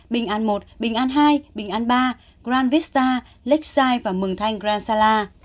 bình an một bình an hai bình an ba grand vista lexi và mừng thanh grand sala